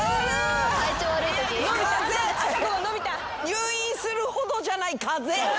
入院するほどじゃない風邪。